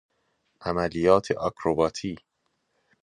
عملیات آکروباتی